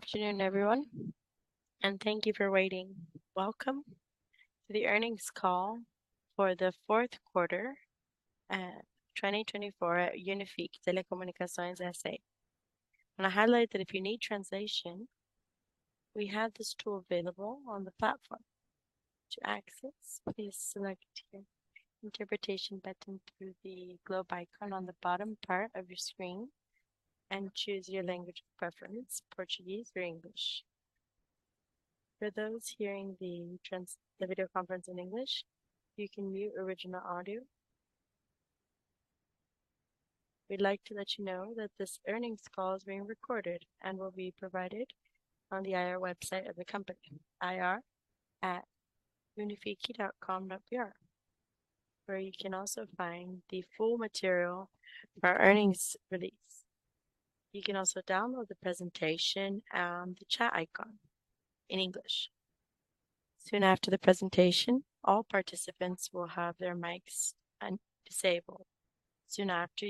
Good afternoon, everyone, and thank you for waiting. Welcome to the Earnings Call for the Fourth Quarter, 2024 at Unifique Telecomunicações S.A. Wanna highlight that if you need translation, we have this tool available on the platform. To access, please select your interpretation button through the globe icon on the bottom part of your screen and choose your language preference, Portuguese or English. For those hearing the video conference in English, you can mute original audio. We'd like to let you know that this earnings call is being recorded and will be provided on the IR website of the company, ir@unifique.com.br, where you can also find the full material of our earnings release. You can also download the presentation on the chat icon in English. Soon after the presentation, all participants will have their mics disabled. Soon after,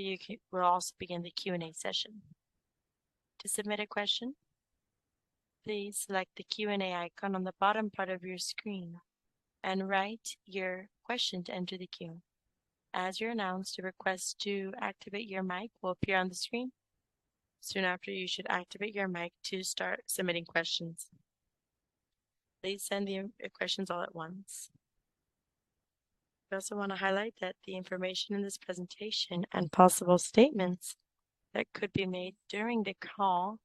will also begin the Q&A session. To submit a question, please select the Q&A icon on the bottom part of your screen and write your question to enter the queue. As you're announced, a request to activate your mic will appear on the screen. Soon after, you should activate your mic to start submitting questions. Please send your questions all at once. We also wanna highlight that the information in this presentation and possible statements that could be made during the call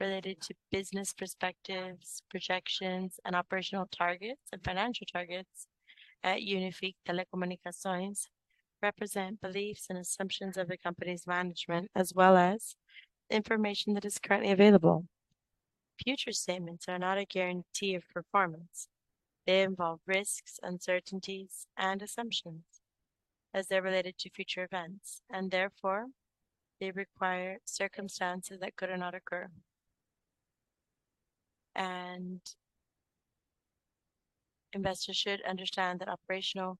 related to business perspectives, projections, and operational targets and financial targets at Unifique Telecomunicações represent beliefs and assumptions of the company's management, as well as the information that is currently available. Future statements are not a guarantee of performance. They involve risks, uncertainties, and assumptions as they're related to future events, and therefore, they require circumstances that could or not occur. Investors should understand that operational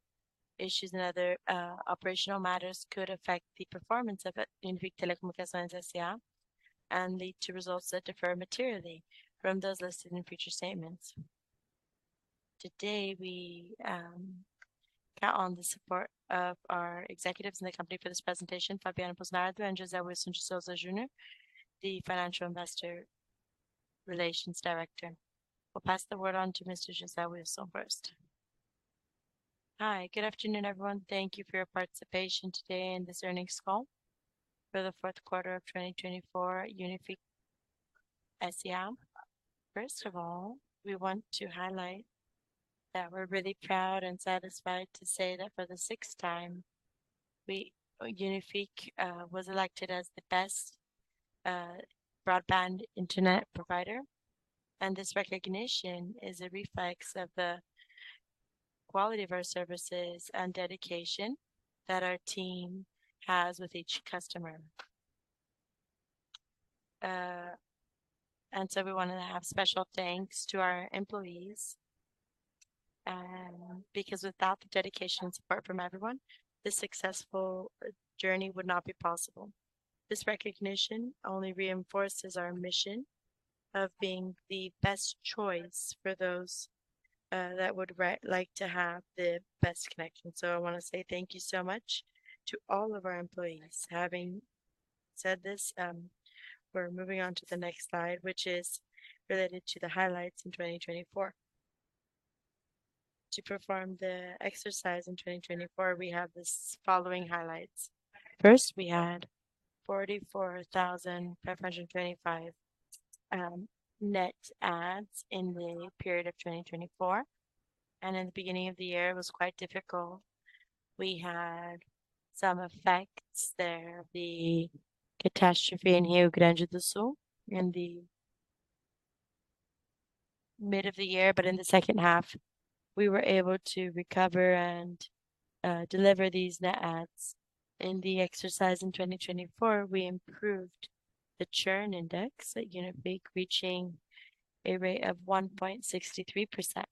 issues and other operational matters could affect the performance of Unifique Telecomunicações S.A. and lead to results that differ materially from those listed in future statements. Today, we count on the support of our executives in the company for this presentation, Fabiano Busnardo and José Wilson de Souza Junior, the financial investor relations director. We'll pass the word on to Mr. José Wilson first. Hi, good afternoon, everyone. Thank you for your participation today in this earnings call for the fourth quarter of 2024, Unifique S.A. First of all, we want to highlight that we're really proud and satisfied to say that for the sixth time, Unifique was elected as the best broadband internet provider, and this recognition is a reflection of the quality of our services and dedication that our team has with each customer. We wanted to have special thanks to our employees, because without the dedication and support from everyone, this successful journey would not be possible. This recognition only reinforces our mission of being the best choice for those that would like to have the best connection. I wanna say thank you so much to all of our employees. Having said this, we're moving on to the next slide, which is related to the highlights in 2024. To perform the exercise in 2024, we have this following highlights. First, we had 44,525 net adds in the period of 2024, and in the beginning of the year, it was quite difficult. We had some effects there, the catastrophe in Rio Grande do Sul in the mid of the year, but in the second half, we were able to recover and deliver these net adds. In the exercise in 2024, we improved the churn index at Unifique, reaching a rate of 1.63%.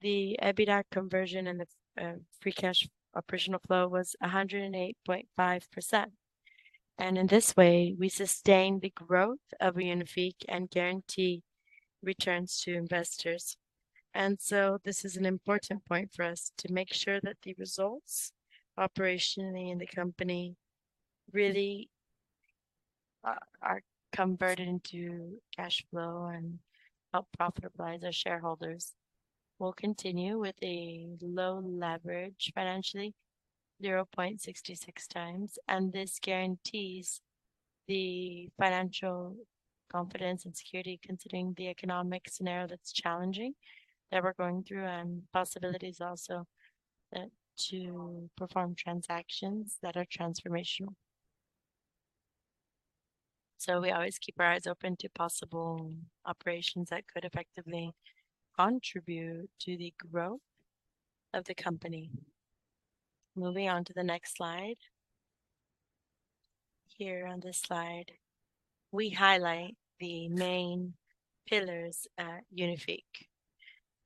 The EBITDA conversion and the free cash operational flow was 108.5%. In this way, we sustain the growth of Unifique and guarantee returns to investors. This is an important point for us to make sure that the results operationally in the company really are converted into cash flow and help profitablize our shareholders. We'll continue with a low leverage financially, 0.66x, and this guarantees the financial confidence and security considering the economic scenario that's challenging that we're going through, and possibilities also to perform transactions that are transformational. We always keep our eyes open to possible operations that could effectively contribute to the growth of the company. Moving on to the next slide. Here on this slide, we highlight the main pillars at Unifique.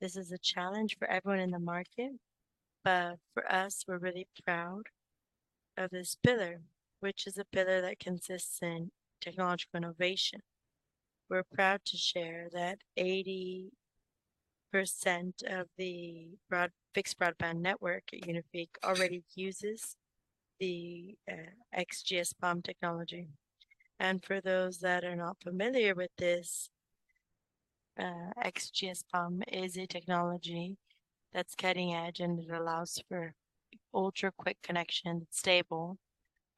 This is a challenge for everyone in the market, but for us, we're really proud of this pillar, which is a pillar that consists in technological innovation. We're proud to share that 80% of the broad fixed broadband network at Unifique already uses the XGS-PON technology. For those that are not familiar with this, XGS-PON is a technology that's cutting edge, and it allows for ultra-quick connection, stable,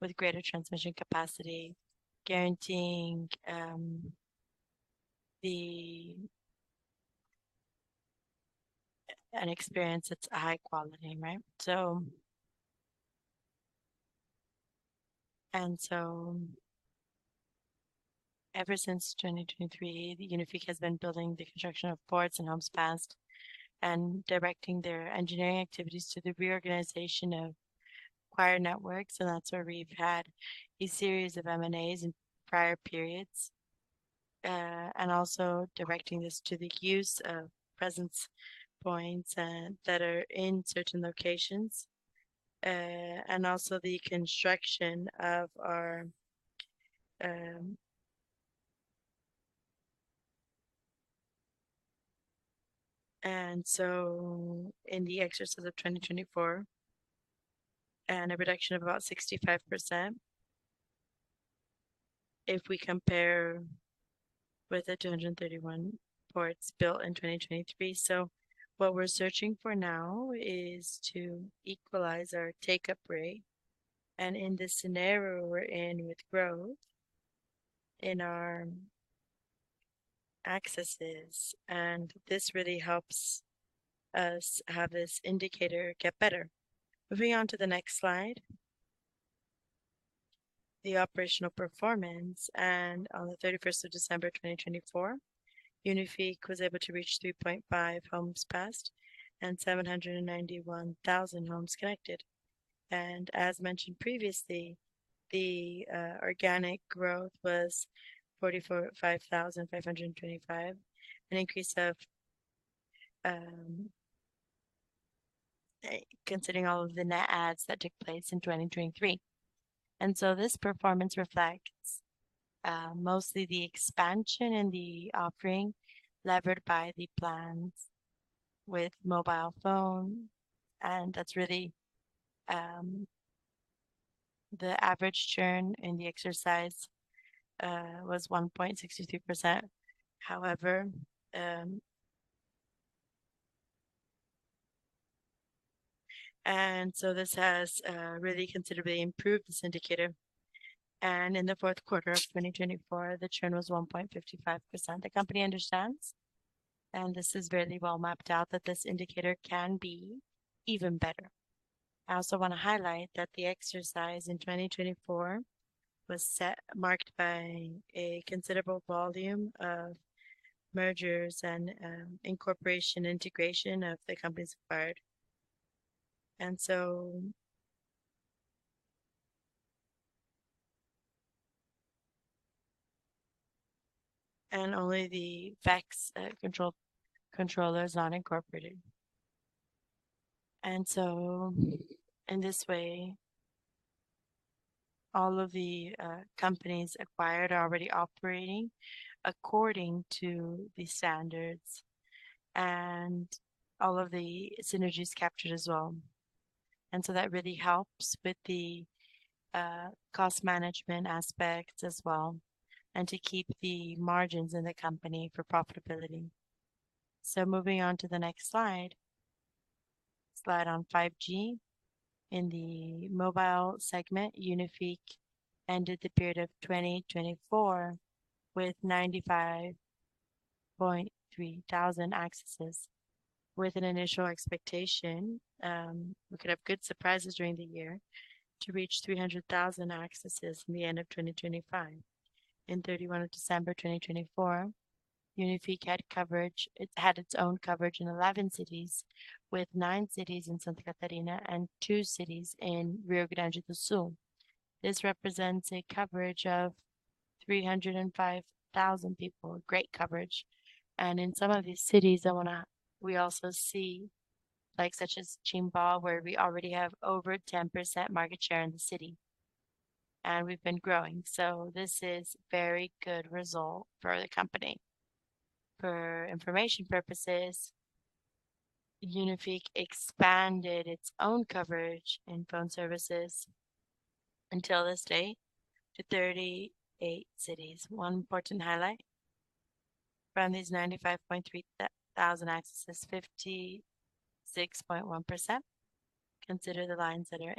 with greater transmission capacity, guaranteeing an experience that's high quality, right? Ever since 2023, Unifique has been building the construction of ports and homes passed and directing their engineering activities to the reorganization of acquired networks, and that's where we've had a series of M&As in prior periods, and also directing this to the use of presence points that are in certain locations, and also the construction of our. In the exercise of 2024, a reduction of about 65% if we compare with the 231 ports built in 2023. What we're searching for now is to equalize our take-up rate, and in the scenario we're in with growth in our accesses, and this really helps us have this indicator get better. Moving on to the next slide. The operational performance. On the December 31st, 2024, Unifique was able to reach 3.5 homes passed and 791,000 homes connected. As mentioned previously, the organic growth was 45,525, an increase of, considering all of the net adds that took place in 2023. This performance reflects mostly the expansion in the offering levered by the plans with mobile phone, and that's really. The average churn in the exercise was 1.62%. However, this has really considerably improved this indicator. In the fourth quarter of 2024, the churn was 1.55%. The company understands, and this is really well mapped out, that this indicator can be even better. I also wanna highlight that the exercise in 2024 was marked by a considerable volume of mergers and incorporation, integration of the companies acquired. Only the Vex controller is not incorporated. In this way, all of the companies acquired are already operating according to the standards, and all of the synergy is captured as well. That really helps with the cost management aspect as well, and to keep the margins in the company for profitability. Moving on to the next slide. Slide on 5G. In the mobile segment, Unifique ended the period of 2024 with 95,300 accesses with an initial expectation, looking for good surprises during the year, to reach 300,000 accesses in the end of 2025. In December 31, 2024, Unifique had its own coverage in 11 cities, with nine cities in Santa Catarina and two cities in Rio Grande do Sul. This represents a coverage of 305,000 people. Great coverage. In some of these cities, we also see, like such as Timbó, where we already have over 10% market share in the city, and we've been growing. This is very good result for the company. For information purposes, Unifique expanded its own coverage in phone services until this date to 38 cities. One important highlight, from these 95.3000 accesses, 56.1% consist of the lines that are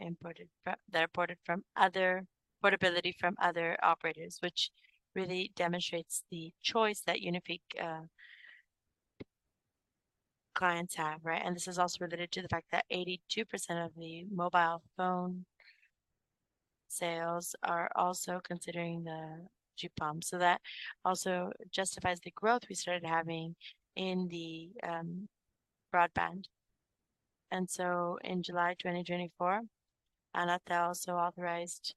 ported from other operators, which really demonstrates the choice that Unifique clients have, right? This is also related to the fact that 82% of the mobile phone sales are also considering the GPON. That also justifies the growth we started having in the broadband. In July 2024, Anatel also authorized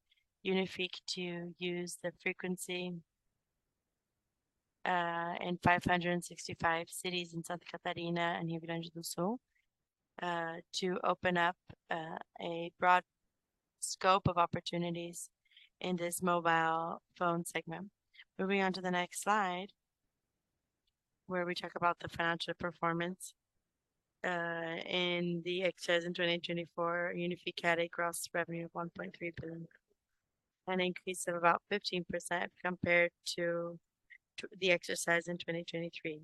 Unifique to use the frequency in 565 cities in Santa Catarina and Rio Grande do Sul to open up a broad scope of opportunities in this mobile phone segment. Moving on to the next slide, where we talk about the financial performance. In the year 2024, Unifique had a gross revenue of 1.3 billion, an increase of about 15% compared to the year 2023.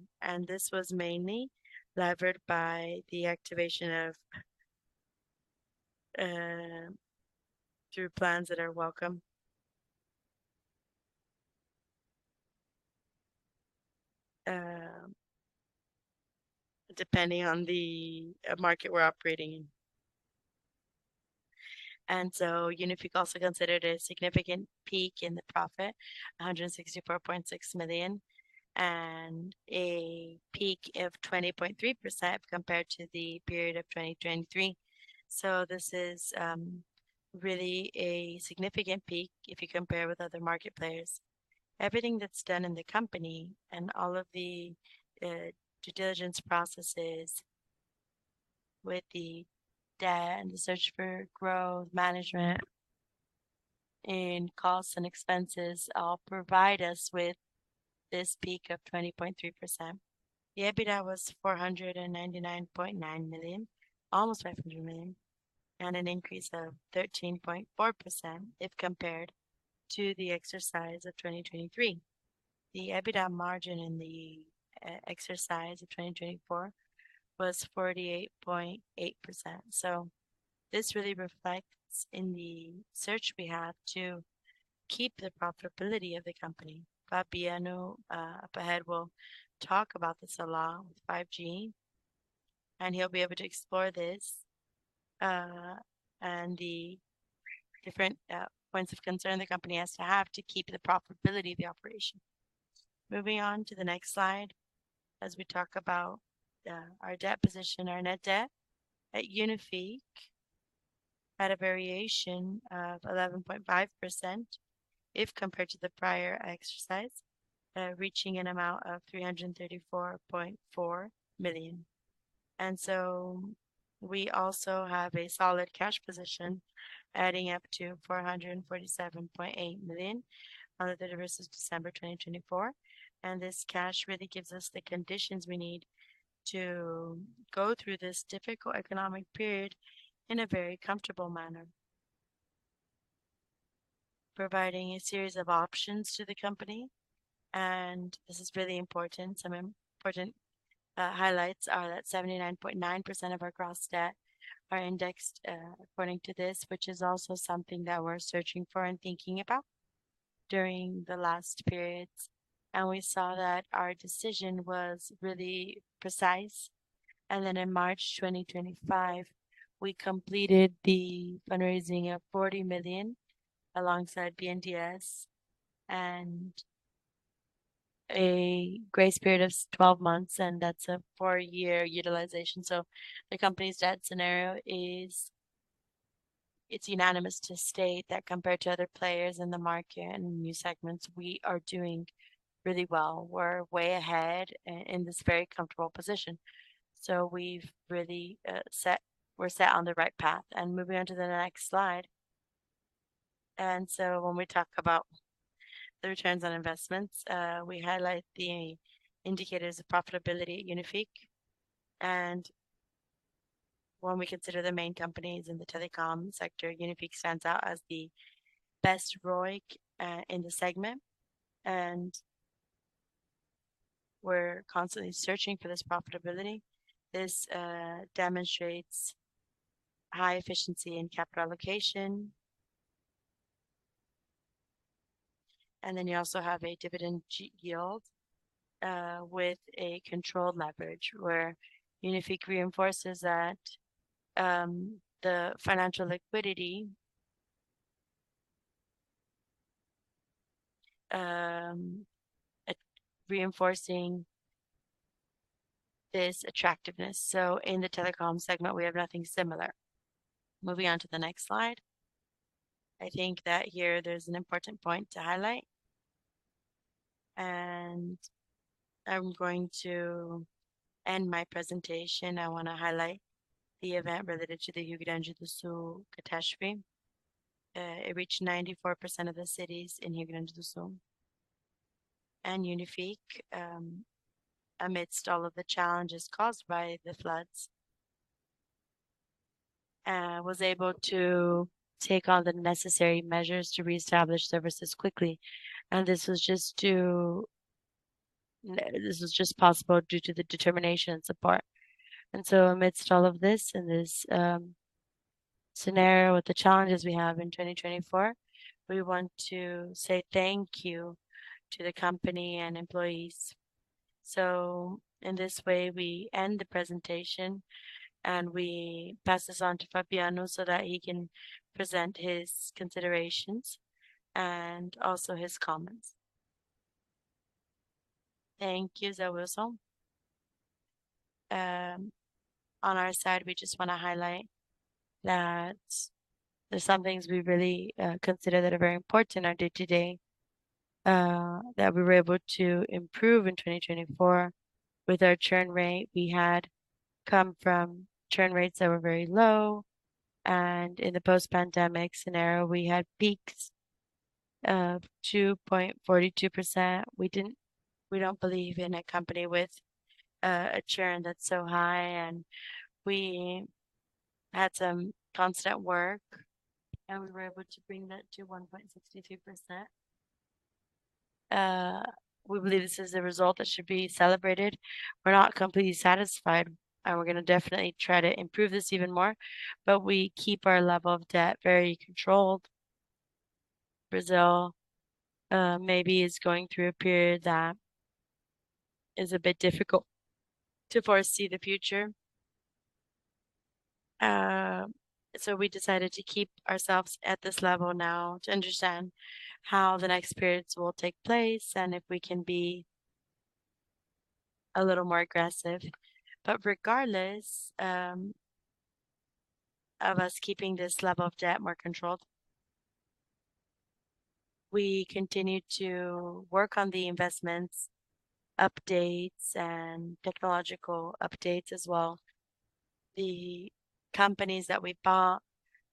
This was mainly levered by the activation of plans that are welcome, depending on the market we're operating in. Unifique also considered a significant growth in the profit, 164.6 million, and a growth of 20.3% compared to the period of 2023. This is really a significant growth if you compare with other market players. Everything that's done in the company and all of the due diligence processes with the data and the search for growth management and costs and expenses all provide us with this growth of 20.3%. The EBITDA was 499.9 million, almost 500 million, and an increase of 13.4% if compared to the year of 2023. The EBITDA margin in the year of 2024 was 48.8%. This really reflects in the effort we have to keep the profitability of the company. Fabiano up ahead will talk about this a lot with 5G, and he'll be able to explore this and the different points of concern the company has to have to keep the profitability of the operation. Moving on to the next slide, as we talk about our debt position. Our net debt at Unifique had a variation of 11.5% if compared to the prior year, reaching an amount of 334.4 million. We also have a solid cash position adding up to 447.8 million on the December 31st 2024. This cash really gives us the conditions we need to go through this difficult economic period in a very comfortable manner, providing a series of options to the company, and this is really important. Some important highlights are that 79.9% of our gross debt are indexed according to this, which is also something that we're searching for and thinking about during the last periods. We saw that our decision was really precise. Then in March 2025, we completed the fundraising of 40 million alongside BNDES and a grace period of 12 months, and that's a four-year utilization. The company's debt scenario is. It's unanimous to state that compared to other players in the market and new segments, we are doing really well. We're way ahead and in this very comfortable position. We've really set on the right path. Moving on to the next slide. When we talk about the returns on investments, we highlight the indicators of profitability at Unifique. When we consider the main companies in the telecom sector, Unifique stands out as the best ROIC in the segment. We're constantly searching for this profitability. This demonstrates high efficiency in capital allocation. Then you also have a dividend yield with a controlled leverage where Unifique reinforces that the financial liquidity reinforcing this attractiveness. In the telecom segment, we have nothing similar. Moving on to the next slide. I think that here there's an important point to highlight, and I'm going to end my presentation. I want to highlight the event related to the Rio Grande do Sul catastrophe. It reached 94% of the cities in Rio Grande do Sul. Unifique, amidst all of the challenges caused by the floods, was able to take all the necessary measures to reestablish services quickly. This was just possible due to the determination and support. Amidst all of this, in this scenario with the challenges we have in 2024, we want to say thank you to the company and employees. In this way, we end the presentation, and we pass this on to Fabiano so that he can present his considerations and also his comments. Thank you, José Wilson. On our side, we just wanna highlight that there's some things we really consider that are very important in our day-to-day, that we were able to improve in 2024. With our churn rate, we had come from churn rates that were very low, and in the post-pandemic scenario, we had peaks of 2.42%. We don't believe in a company with a churn that's so high, and we had some constant work, and we were able to bring that to 1.62%. We believe this is a result that should be celebrated. We're not completely satisfied, and we're gonna definitely try to improve this even more, but we keep our level of debt very controlled. Brazil maybe is going through a period that is a bit difficult to foresee the future. We decided to keep ourselves at this level now to understand how the next periods will take place and if we can be a little more aggressive. Regardless of us keeping this level of debt more controlled, we continue to work on the investments, updates, and technological updates as well. The companies that we bought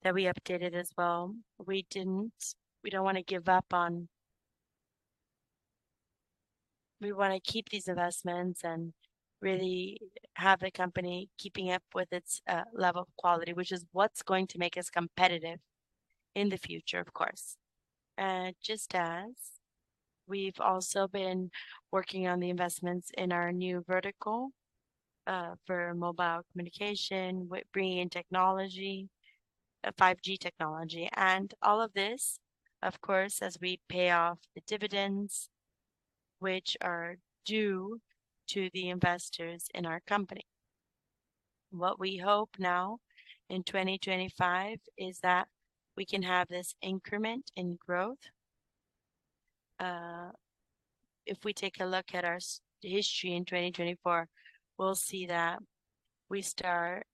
that we updated as well, we don't wanna give up on. We wanna keep these investments and really have the company keeping up with its level of quality, which is what's going to make us competitive in the future, of course. Just as we've also been working on the investments in our new vertical for mobile communication with bringing in technology, 5G technology, and all of this, of course, as we pay off the dividends which are due to the investors in our company. What we hope now in 2025 is that we can have this increment in growth. If we take a look at our history in 2024, we'll see that we start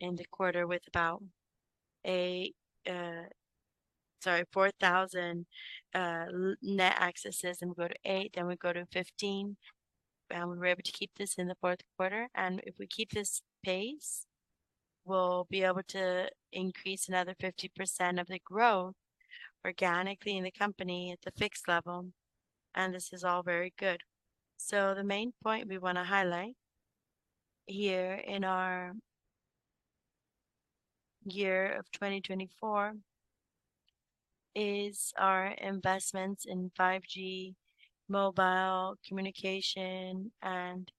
in the quarter with about eight, sorry, 4,000 net accesses, and we go to eight, then we go to 15. We were able to keep this in the fourth quarter. If we keep this pace, we'll be able to increase another 50% of the growth organically in the company at the fixed level, and this is all very good. The main point we wanna highlight here in our year of 2024 is our investments in 5G mobile communication, and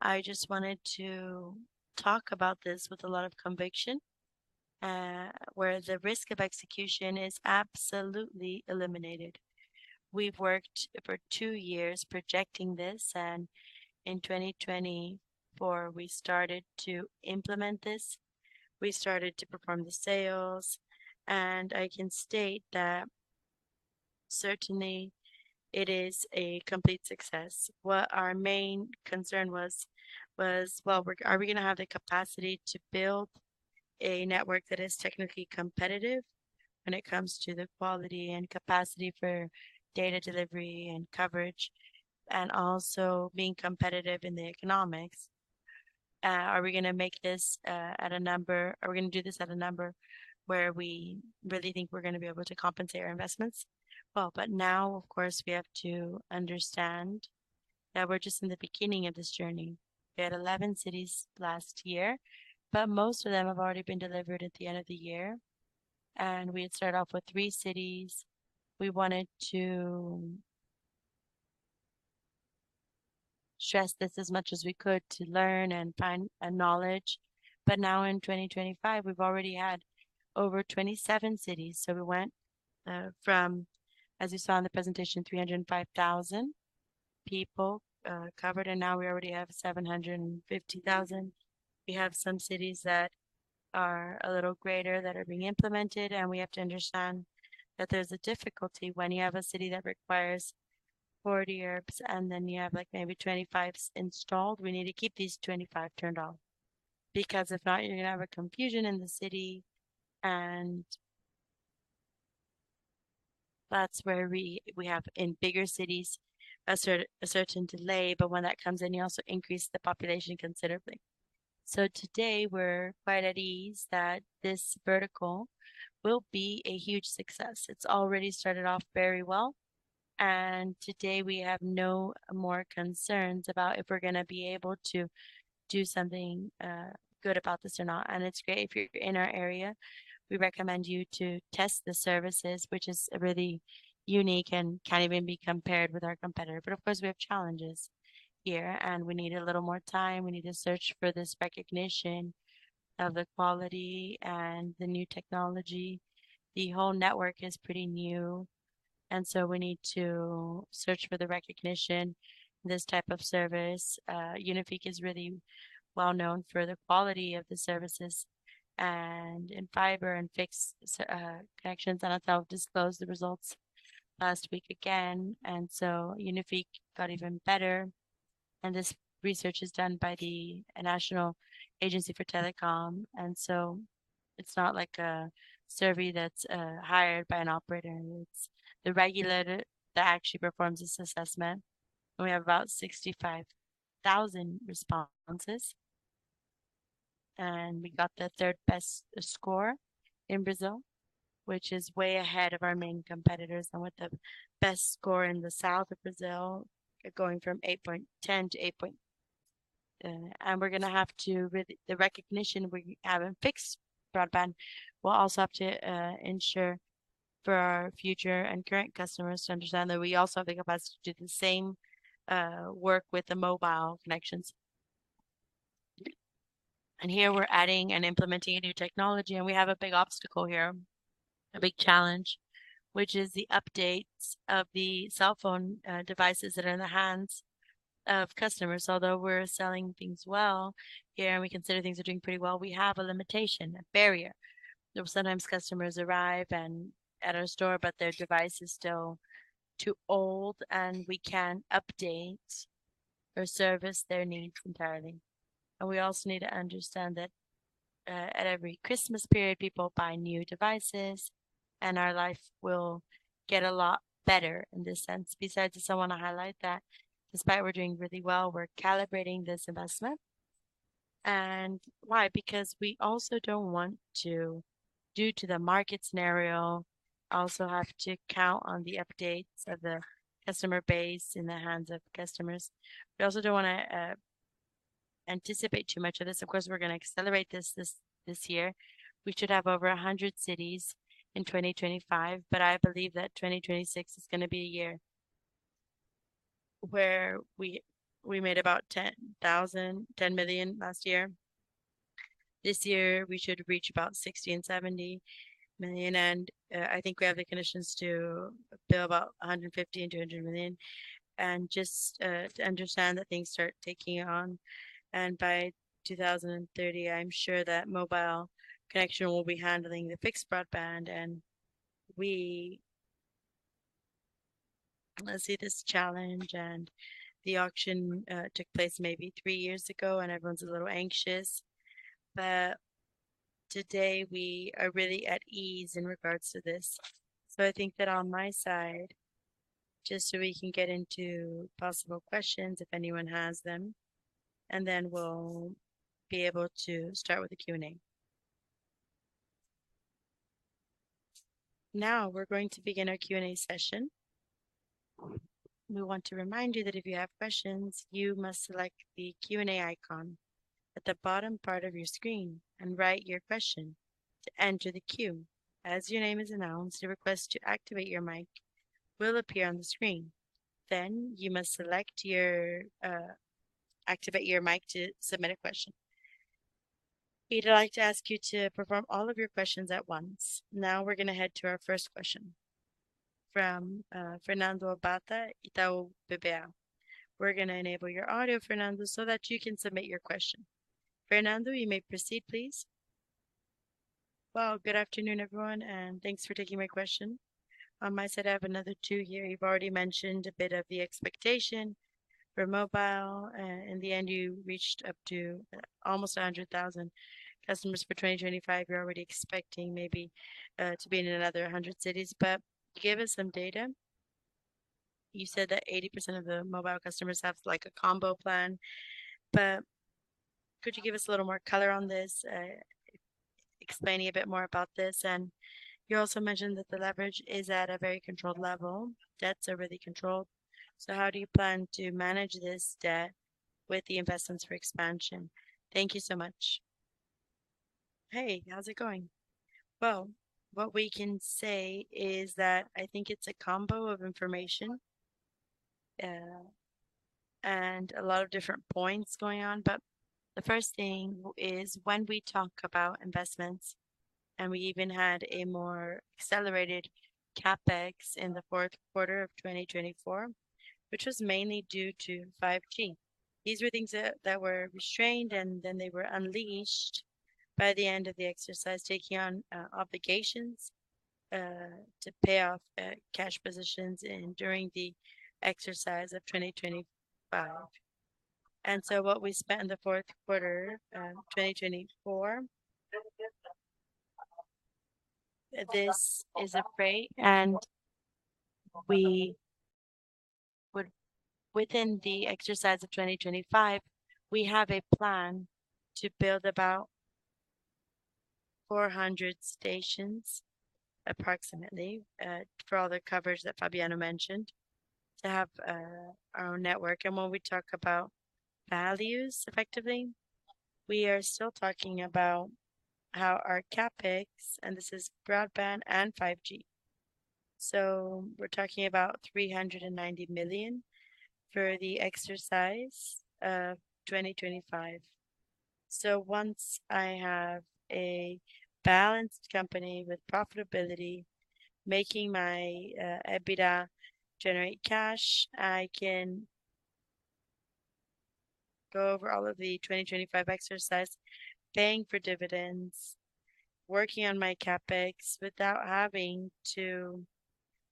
I just wanted to talk about this with a lot of conviction, where the risk of execution is absolutely eliminated. We've worked for two years projecting this, and in 2024, we started to implement this. We started to perform the sales, and I can state that certainly it is a complete success. What our main concern was, well, are we gonna have the capacity to build a network that is technically competitive when it comes to the quality and capacity for data delivery and coverage, and also being competitive in the economics? Are we gonna do this at a number where we really think we're gonna be able to compensate our investments? Well, now, of course, we have to understand that we're just in the beginning of this journey. We had eleven cities last year, but most of them have already been delivered at the end of the year. We had started off with three cities. We wanted to stress this as much as we could to learn and find a knowledge. Now in 2025, we've already had over 27 cities. We went, from, as you saw in the presentation, 305,000 people covered, and now we already have 750,000. We have some cities that are a little greater that are being implemented, and we have to understand that there's a difficulty when you have a city that requires 40 ERBs, and then you have, like, maybe 25 installed. We need to keep these 25 turned off because if not, you're gonna have a confusion in the city, and that's where we have in bigger cities a certain delay, but when that comes in, you also increase the population considerably. Today, we're quite at ease that this vertical will be a huge success. It's already started off very well. Today, we have no more concerns about if we're gonna be able to do something, good about this or not. It's great. If you're in our area, we recommend you to test the services, which is really unique and can't even be compared with our competitor. Of course, we have challenges here, and we need a little more time. We need to search for this recognition of the quality and the new technology. The whole network is pretty new, and so we need to search for the recognition. This type of service, Unifique is really well-known for the quality of the services, and in fiber and fixed connections. Anatel disclosed the results last week again, and so Unifique got even better. This research is done by the National Telecommunications Agency. It's not like a survey that's hired by an operator. It's the regulator that actually performs this assessment. We have about 65,000 responses. We got the third-best score in Brazil, which is way ahead of our main competitors and with the best score in the south of Brazil, going from 8.10 to 8. We're gonna have to reinforce the recognition we have in fixed broadband. We'll also have to ensure that our future and current customers understand that we also have the capacity to do the same work with the mobile connections. Here we're adding and implementing a new technology, and we have a big obstacle here, a big challenge, which is the updates of the cell phone devices that are in the hands of customers. Although we're selling things well here, and we consider things are doing pretty well, we have a limitation, a barrier. Sometimes customers arrive at our store, but their device is still too old, and we can't update or service their needs entirely. We also need to understand that at every Christmas period, people buy new devices, and our life will get a lot better in this sense. Besides this, I wanna highlight that despite we're doing really well, we're calibrating this investment. Why? Because we also don't want to, due to the market scenario, also have to count on the updates of the customer base in the hands of customers. We also don't wanna anticipate too much of this. Of course, we're gonna accelerate this year. We should have over 100 cities in 2025, but I believe that 2026 is gonna be a year where we made about 10 million last year. This year we should reach about 60 million-70 million, and I think we have the conditions to build about 150 million-200 million. Just to understand that things start taking on, by 2030, I'm sure that mobile connection will be handling the fixed broadband. We see this challenge, and the auction took place maybe three years ago, and everyone's a little anxious. Today we are really at ease in regards to this. I think that on my side, just so we can get into possible questions, if anyone has them, and then we'll be able to start with the Q&A. Now we're going to begin our Q&A session. We want to remind you that if you have questions, you must select the Q&A icon at the bottom part of your screen and write your question to enter the queue. As your name is announced, a request to activate your mic will appear on the screen. Then you must activate your mic to submit a question. We'd like to ask you to perform all of your questions at once. Now we're gonna head to our first question from Fernando Abate, Itaú BBA. We're gonna enable your audio, Fernando, so that you can submit your question. Fernando, you may proceed, please. Well, good afternoon, everyone, and thanks for taking my question. On my side, I have another two here. You've already mentioned a bit of the expectation for mobile. In the end, you reached up to almost 100,000 customers for 2025. You're already expecting maybe to be in another 100 cities. But give us some data. You said that 80% of the mobile customers have, like, a combo plan. But could you give us a little more color on this, explaining a bit more about this? And you also mentioned that the leverage is at a very controlled level. Debt's already controlled. So how do you plan to manage this debt with the investments for expansion? Thank you so much. Hey, how's it going? Well, what we can say is that I think it's a combo of information, and a lot of different points going on. The first thing is when we talk about investments, and we even had a more accelerated CapEx in the fourth quarter of 2024, which was mainly due to 5G. These were things that were restrained, and then they were unleashed by the end of the exercise, taking on obligations to pay off cash positions incurring during the exercise of 2025. What we spent in the fourth quarter of 2024, this is upfront, and within the exercise of 2025, we have a plan to build about 400 stations approximately, for all the coverage that Fabiano mentioned, to have our own network. When we talk about values effectively, we are still talking about how our CapEx, and this is broadband and 5G. We're talking about 390 million for the exercise of 2025. Once I have a balanced company with profitability, making my EBITDA generate cash, I can go over all of the 2025 exercise, paying for dividends, working on my CapEx without having to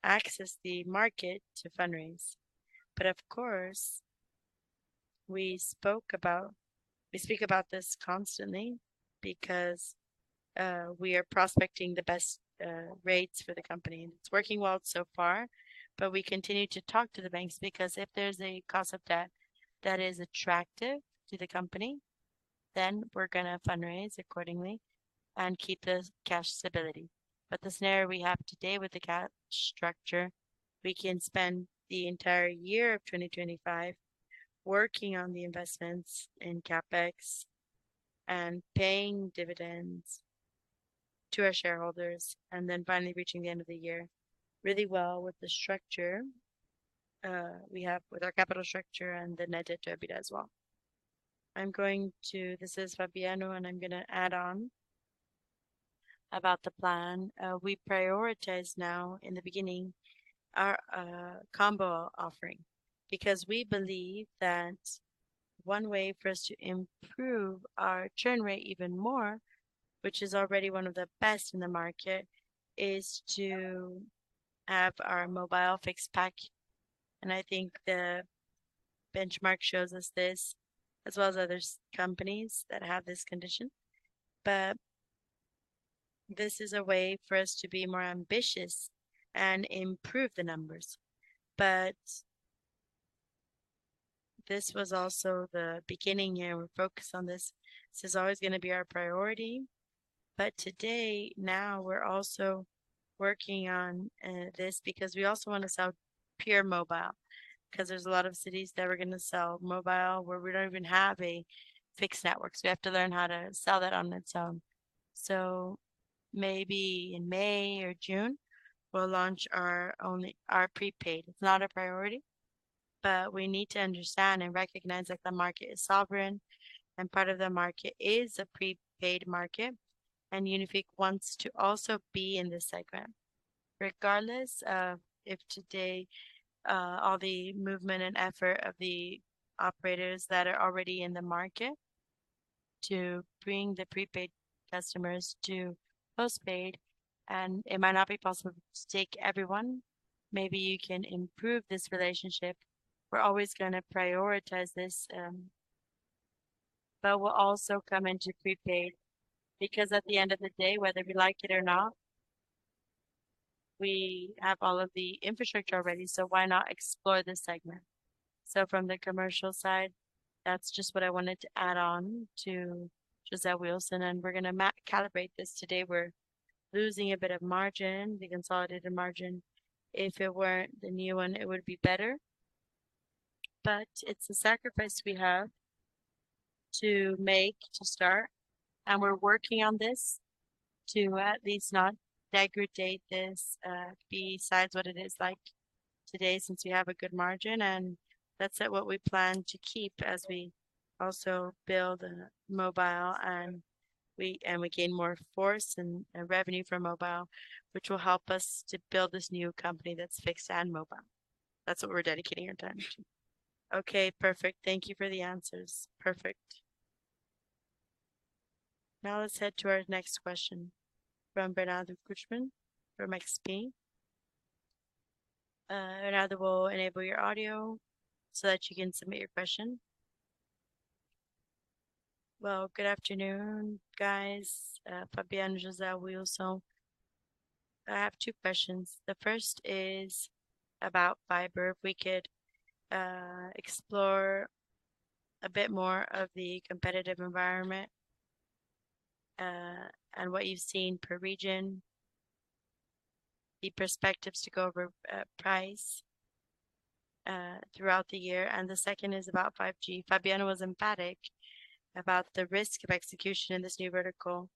access the market to fundraise. Of course, we speak about this constantly because we are prospecting the best rates for the company, and it's working well so far. We continue to talk to the banks because if there's a cost of debt that is attractive to the company, then we're gonna fundraise accordingly and keep the cash stability. The scenario we have today with the structure, we can spend the entire year of 2025 working on the investments in CapEx and paying dividends to our shareholders, and then finally reaching the end of the year really well with the structure we have with our capital structure and the net debt to EBITDA as well. This is Fabiano, and I'm gonna add on about the plan. We prioritize now in the beginning our combo offering because we believe that one way for us to improve our churn rate even more, which is already one of the best in the market, is to have our mobile fixed pack. And I think the benchmark shows us this as well as other companies that have this condition. This is a way for us to be more ambitious and improve the numbers. This was also the beginning year. We're focused on this. This is always gonna be our priority. Today, now we're also working on this because we also wanna sell pure mobile, 'cause there's a lot of cities that we're gonna sell mobile where we don't even have a fixed network, so we have to learn how to sell that on its own. Maybe in May or June, we'll launch our prepaid. It's not a priority, but we need to understand and recognize that the market is sovereign, and part of the market is a prepaid market, and Unifique wants to also be in this segment. Regardless of if today all the movement and effort of the operators that are already in the market to bring the prepaid customers to postpaid, and it might not be possible to take everyone, maybe you can improve this relationship. We're always gonna prioritize this, but we'll also come into prepaid because at the end of the day, whether we like it or not, we have all of the infrastructure already, so why not explore this segment? From the commercial side, that's just what I wanted to add on to José Wilson, and we're gonna calibrate this today. We're losing a bit of margin, the consolidated margin. If it weren't the new one, it would be better. It's a sacrifice we have to make to start, and we're working on this to at least not degrade this, besides what it is like today since we have a good margin. That's what we plan to keep as we also build mobile and we gain more force and revenue from mobile, which will help us to build this new company that's fixed and mobile. That's what we're dedicating our time to. Okay, perfect. Thank you for the answers. Perfect. Now let's head to our next question from Bernardo Guttmann from XP. Bernardo, we'll enable your audio so that you can submit your question. Well, good afternoon, guys, Fabiano, José Wilson. I have two questions. The first is about fiber. If we could, explore a bit more of the competitive environment, and what you've seen per region, the perspectives to go over, price, throughout the year. The second is about 5G. Fabiano was emphatic about the risk of execution in this new vertical,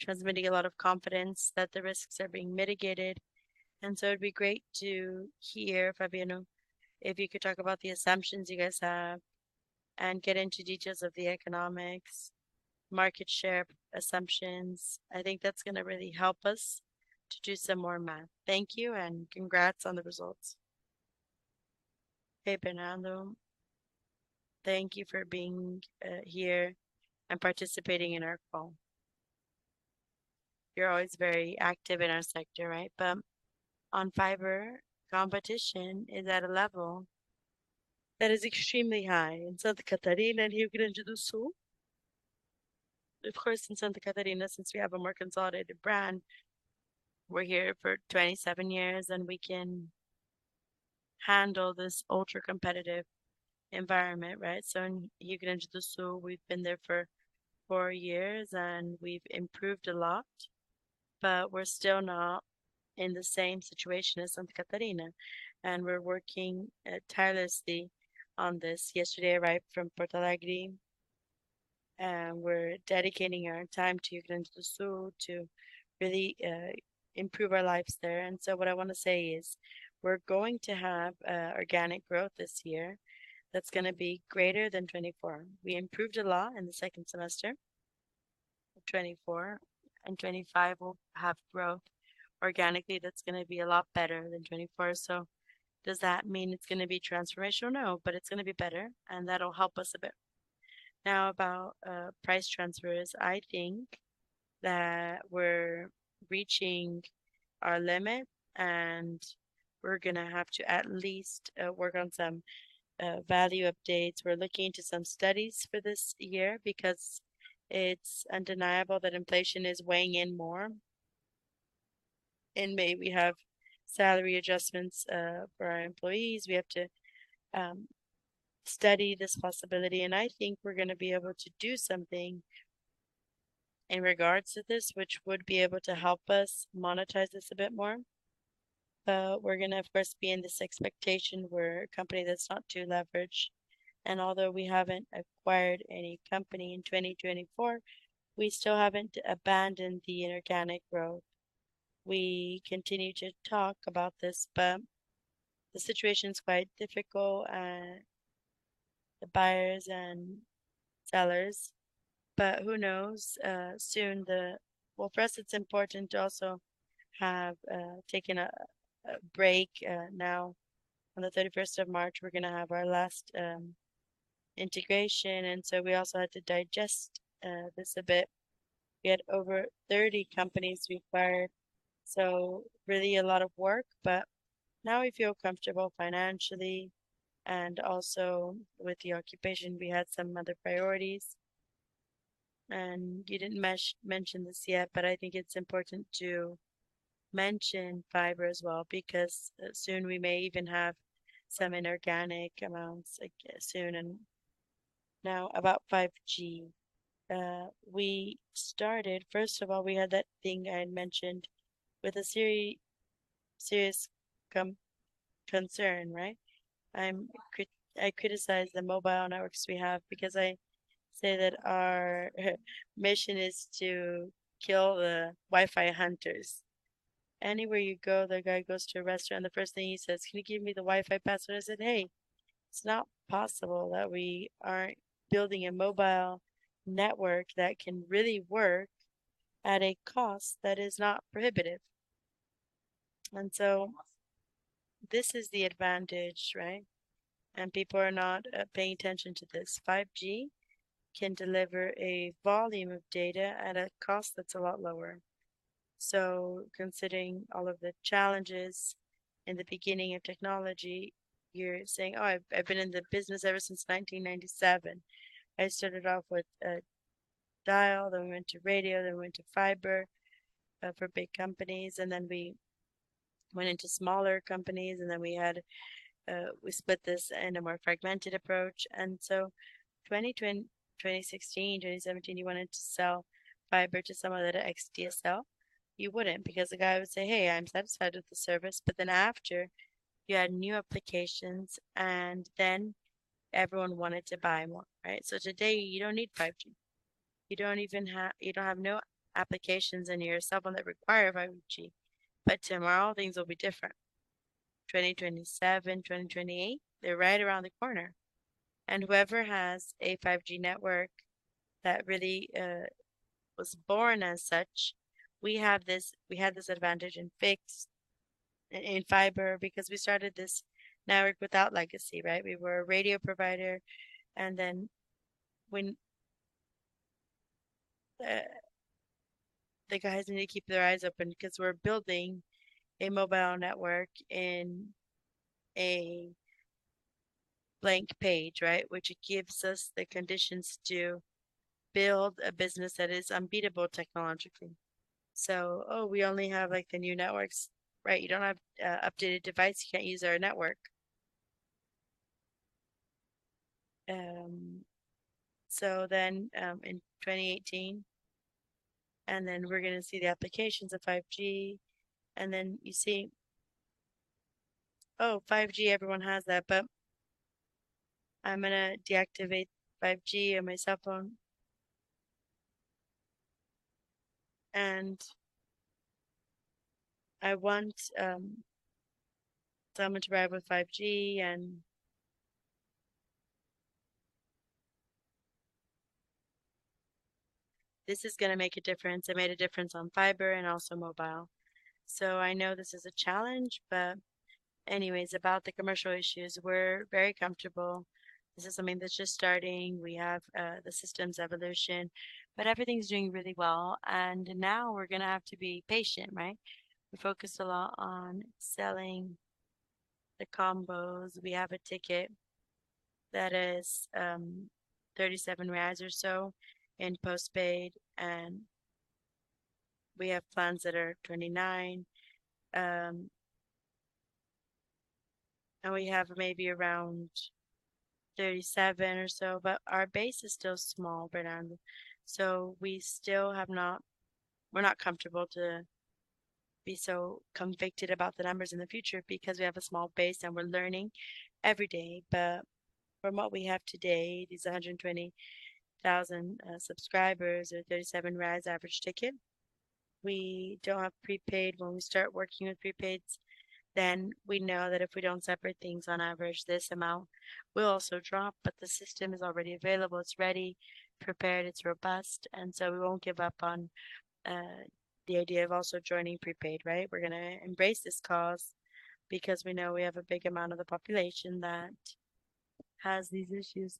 transmitting a lot of confidence that the risks are being mitigated. It'd be great to hear, Fabiano, if you could talk about the assumptions you guys have and get into details of the economics, market share assumptions. I think that's gonna really help us to do some more math. Thank you, and congrats on the results. Hey, Bernardo. Thank you for being, here and participating in our call. You're always very active in our sector, right? On fiber, competition is at a level that is extremely high in Santa Catarina and Rio Grande do Sul. Of course, in Santa Catarina, since we have a more consolidated brand, we're here for 27 years, and we can handle this ultra-competitive environment, right? In Rio Grande do Sul, we've been there for four years, and we've improved a lot, but we're still not in the same situation as Santa Catarina, and we're working tirelessly on this. Yesterday, I arrived from Porto Alegre, and we're dedicating our time to Rio Grande do Sul to really improve our lives there. What I wanna say is we're going to have organic growth this year that's gonna be greater than 24%. We improved a lot in the second semester 2024, and 2025 will have growth organically that's gonna be a lot better than 24%. Does that mean it's gonna be transformational? No, but it's gonna be better, and that'll help us a bit. Now, about price transfers, I think that we're reaching our limit, and we're gonna have to at least work on some value updates. We're looking into some studies for this year because it's undeniable that inflation is weighing in more. In May, we have salary adjustments for our employees. We have to study this possibility, and I think we're gonna be able to do something in regards to this, which would be able to help us monetize this a bit more. We're gonna, of course, be in this expectation. We're a company that's not too leveraged, and although we haven't acquired any company in 2024, we still haven't abandoned the inorganic growth. We continue to talk about this, but the situation's quite difficult, the buyers and sellers. Who knows, soon the. Well, for us it's important to also have taken a break now. On the March 31st, we're gonna have our last integration, and so we also had to digest this a bit. We had over 30 companies we acquired, so really a lot of work. Now we feel comfortable financially, and also with the operations, we had some other priorities. You didn't mention this yet, but I think it's important to mention fiber as well, because soon we may even have some inorganic amounts, like soon. Now about 5G. First of all, we had that thing I had mentioned with a serious concern, right? I criticize the mobile networks we have because I say that our mission is to kill the Wi-Fi hunters. Anywhere you go, the guy goes to a restaurant, the first thing he says, "Can you give me the Wi-Fi password?" I said, "Hey, it's not possible that we aren't building a mobile network that can really work at a cost that is not prohibitive." This is the advantage, right? People are not paying attention to this. 5G can deliver a volume of data at a cost that's a lot lower. Considering all of the challenges in the beginning of technology, you're saying, "Oh, I've been in the business ever since 1997." I started off with dial, then we went to radio, then we went to fiber for big companies, and then we went into smaller companies, and then we had we split this in a more fragmented approach. 2016, 2017, you wanted to sell fiber to someone that had XDSL. You wouldn't, because the guy would say, "Hey, I'm satisfied with the service." After, you had new applications, and then everyone wanted to buy more, right? Today, you don't need 5G. You don't even have no applications in your cell phone that require 5G. Tomorrow, things will be different. 2027, 2028, they're right around the corner. Whoever has a 5G network that really was born as such, we have this, we had this advantage in fixed and in fiber because we started this network without legacy, right? We were a radio provider, and then when the guys need to keep their eyes open because we're building a mobile network in a blank page, right? Which it gives us the conditions to build a business that is unbeatable technologically. "Oh, we only have like the new networks." Right. You don't have a updated device, you can't use our network. In 2018, we're gonna see the applications of 5G, and then you see, "Oh, 5G, everyone has that, but I'm gonna deactivate 5G on my cell phone, and I want someone to provide with 5G, and." This is gonna make a difference. It made a difference on fiber and also mobile. I know this is a challenge, but anyways, about the commercial issues, we're very comfortable. This is something that's just starting. We have the systems evolution, but everything's doing really well. Now we're gonna have to be patient, right? We focus a lot on selling the combos. We have a ticket that is 37 reais or so in post-paid, and we have plans that are 29, and we have maybe around 37 or so. Our base is still small, Fernando. We're not comfortable to be so convicted about the numbers in the future because we have a small base and we're learning every day. From what we have today, these 120,000 subscribers at 37 average ticket. We don't have prepaid. When we start working with prepaids, then we know that if we don't separate things, on average, this amount will also drop. The system is already available. It's ready, prepared, it's robust, and so we won't give up on the idea of also joining prepaid, right? We're gonna embrace this cause because we know we have a big amount of the population that has these issues.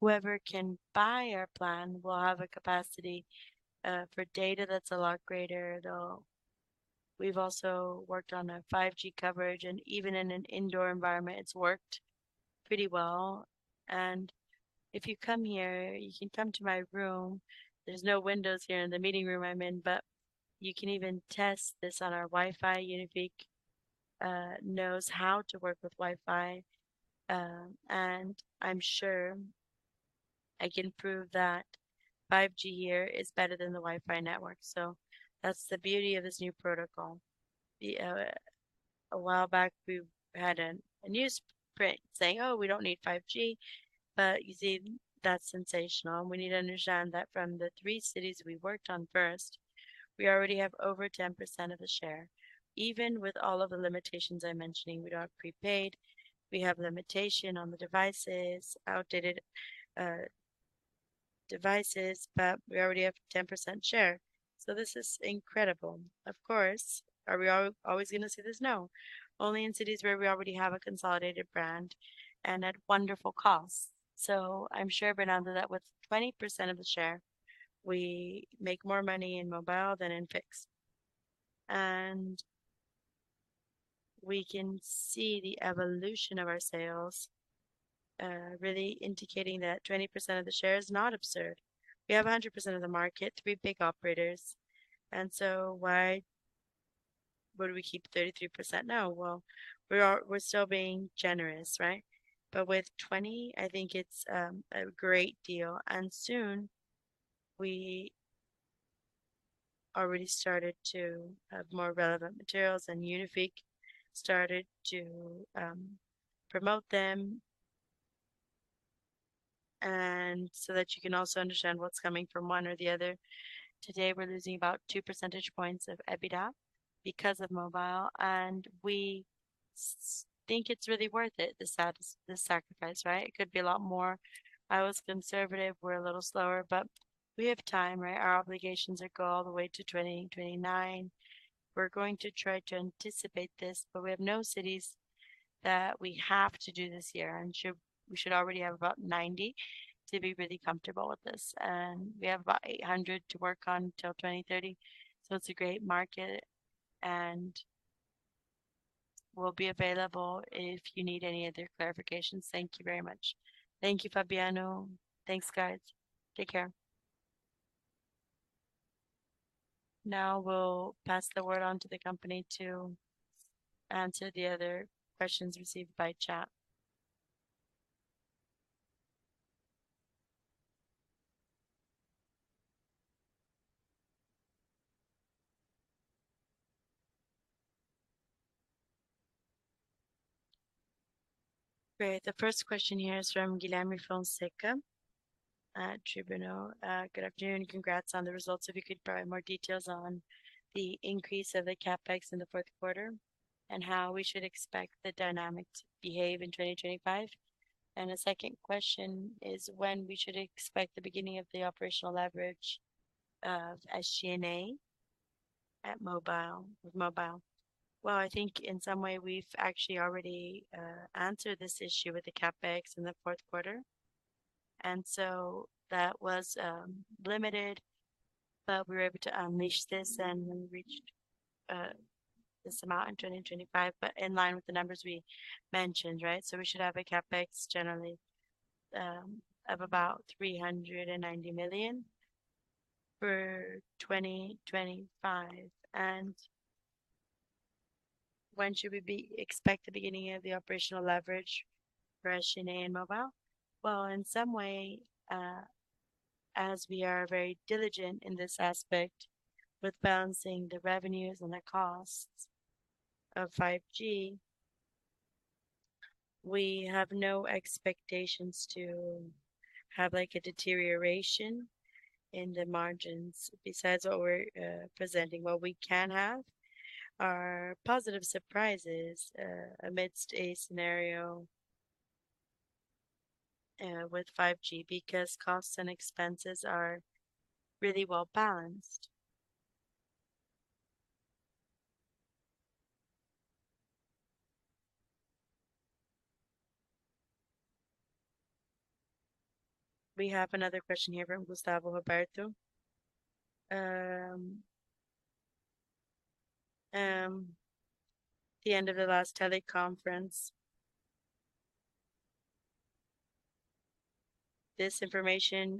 Whoever can buy our plan will have a capacity for data that's a lot greater. We've also worked on a 5G coverage, and even in an indoor environment, it's worked pretty well. If you come here, you can come to my room. There's no windows here in the meeting room I'm in, but you can even test this on our Wi-Fi. Unifique knows how to work with Wi-Fi, and I'm sure I can prove that 5G here is better than the Wi-Fi network. That's the beauty of this new protocol. A while back, we had a newsprint saying, "Oh, we don't need 5G." You see, that's sensational, and we need to understand that from the three cities we worked on first, we already have over 10% of the share. Even with all of the limitations I'm mentioning, we don't have prepaid, we have limitation on the devices, outdated devices, but we already have 10% share, so this is incredible. Of course. Are we always gonna see this? No. Only in cities where we already have a consolidated brand and at wonderful costs. I'm sure, Bernardo, that with 20% of the share, we make more money in mobile than in fixed. We can see the evolution of our sales really indicating that 20% of the share is not absurd. We have 100% of the market, three big operators, and so why would we keep 33%? No. Well, we're still being generous, right? With 20, I think it's a great deal. Soon, we already started to have more relevant materials, and Unifique started to promote them. That you can also understand what's coming from one or the other, today we're losing about two percentage points of EBITDA because of mobile, and we think it's really worth it, this sacrifice, right? It could be a lot more. I was conservative. We're a little slower, but we have time, right? Our obligations go all the way to 2029. We're going to try to anticipate this, but we have no cities that we have to do this year, and we should already have about 90 to be really comfortable with this. We have about 800 to work on till 2030. It's a great market, and we'll be available if you need any other clarifications. Thank you very much. Thank you, Fabiano. Thanks, guys. Take care. Now we'll pass the word on to the company to answer the other questions received by chat. Great. The first question here is from Guilherme Fonseca at Tribuna. "Good afternoon. Congrats on the results. If you could provide more details on the increase of the CapEx in the fourth quarter, and how we should expect the dynamic to behave in 2025." The second question is, "When we should expect the beginning of the operational leverage of SG&A with mobile?" Well, I think in some way, we've actually already answered this issue with the CapEx in the fourth quarter. That was limited, but we were able to unleash this and then reached this amount in 2025, but in line with the numbers we mentioned, right? We should have a CapEx generally of about BRL 390 million for 2025. When should we expect the beginning of the operational leverage for SG&A and mobile? Well, in some way, as we are very diligent in this aspect with balancing the revenues and the costs of 5G, we have no expectations to have, like, a deterioration in the margins besides what we're presenting. What we can have are positive surprises, amidst a scenario, with 5G because costs and expenses are really well-balanced. We have another question here from Gustavo Roberto. The end of the last teleconference. This information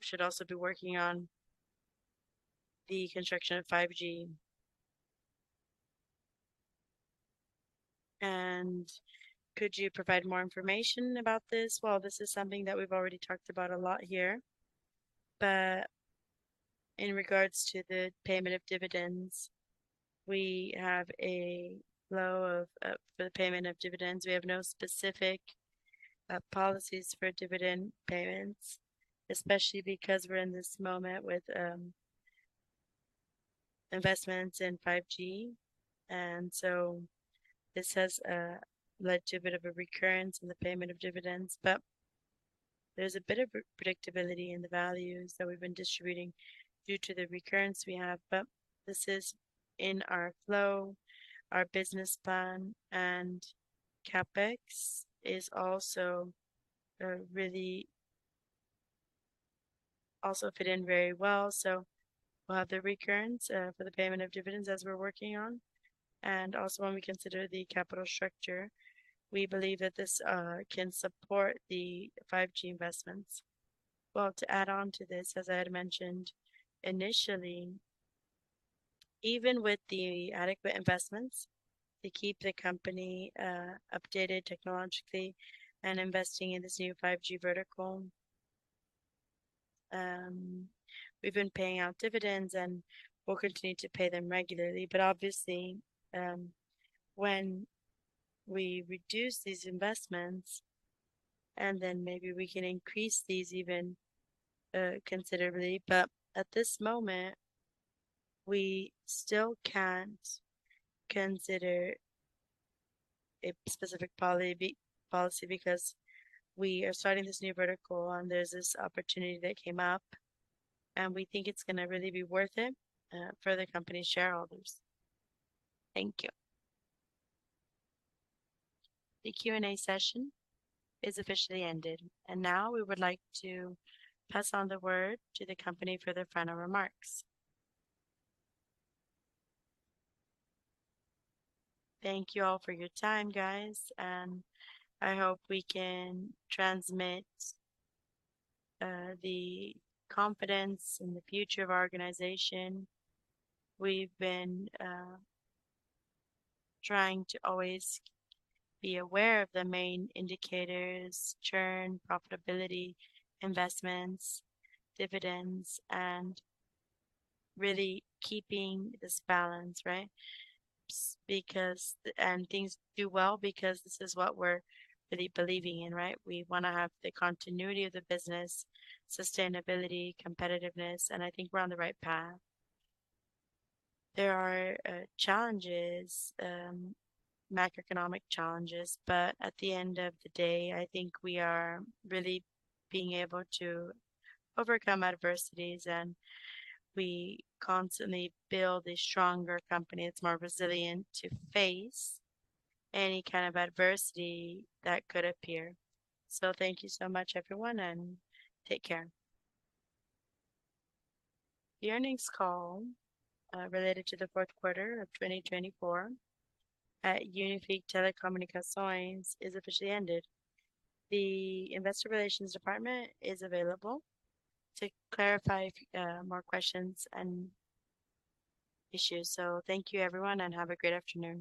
should also be working on the construction of 5G. Could you provide more information about this? Well, this is something that we've already talked about a lot here. In regards to the payment of dividends, we have a flow of for the payment of dividends. We have no specific policies for dividend payments, especially because we're in this moment with investments in 5G. This has led to a bit of a recurrence in the payment of dividends. There's a bit of unpredictability in the values that we've been distributing due to the recurrence we have. This is in our flow, our business plan, and CapEx also fits in very well. We'll have the recurrence for the payment of dividends as we're working on. Also when we consider the capital structure, we believe that this can support the 5G investments. Well, to add on to this, as I had mentioned initially, even with the adequate investments to keep the company updated technologically and investing in this new 5G vertical, we've been paying out dividends, and we'll continue to pay them regularly. Obviously, when we reduce these investments and then maybe we can increase these even considerably. At this moment, we still can't consider a specific policy because we are starting this new vertical, and there's this opportunity that came up, and we think it's gonna really be worth it, for the company shareholders. Thank you. The Q&A session is officially ended, and now we would like to pass on the word to the company for their final remarks. Thank you all for your time, guys, and I hope we can transmit the confidence in the future of our organization. We've been trying to always be aware of the main indicators, churn, profitability, investments, dividends, and really keeping this balance, right? Things do well because this is what we're really believing in, right? We wanna have the continuity of the business, sustainability, competitiveness, and I think we're on the right path. There are challenges, macroeconomic challenges, but at the end of the day, I think we are really being able to overcome adversities, and we constantly build a stronger company that's more resilient to face any kind of adversity that could appear. Thank you so much, everyone, and take care. The earnings call related to the fourth quarter of 2024 at Unifique Telecomunicações is officially ended. The investor relations department is available to clarify more questions and issues. Thank you, everyone, and have a great afternoon.